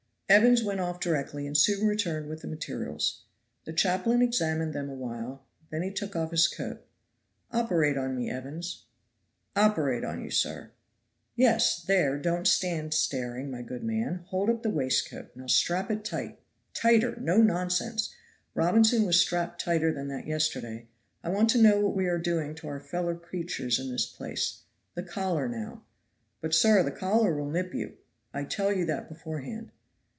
Evans went off directly and soon returned with the materials. The chaplain examined them a while; he then took off his coat. "Operate on me, Evans." "Operate on you, sir!" "Yes! There, don't stand staring, my good man; hold up the waistcoat now strap it tight tighter no nonsense Robinson was strapped tighter than that yesterday. I want to know what we are doing to our fellow creatures in this place. The collar now." "But, sir, the collar will nip you. I tell you that beforehand."